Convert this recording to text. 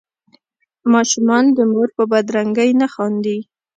ماشومان د مور په بدرنګۍ نه خاندي.